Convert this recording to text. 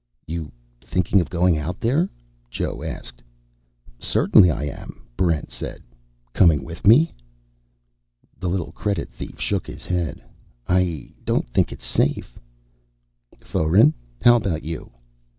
"You thinking of going out there?" Joe asked. "Certainly I am," Barrent said. "Coming with me?" The little credit thief shook his head. "I don't think it's safe." "Foeren, how about you?"